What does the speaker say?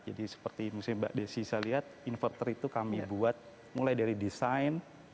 jadi seperti misalnya mbak desy bisa lihat inverter itu kami buat mulai dari desain